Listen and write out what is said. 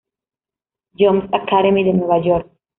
John's Academy de Nueva York.